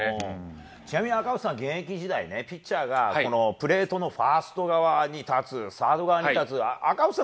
ちなみに赤星さん、現役時代ピッチャーがプレートのファースト側に立つサード側に立つ、赤星さん